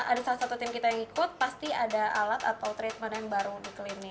ada salah satu tim kita yang ikut pasti ada alat atau treatment yang baru di klinik